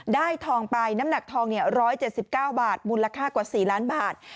ทองไปน้ำหนักทอง๑๗๙บาทมูลค่ากว่า๔ล้านบาท